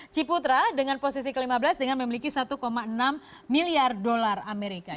ciputra dengan posisi ke lima belas dengan memiliki satu enam miliar dolar amerika